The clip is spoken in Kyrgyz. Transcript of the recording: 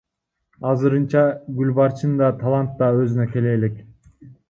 Азырынча Гүлбарчын да, Талант да өзүнө келе элек.